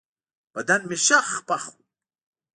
بدن مې شخ پخ و.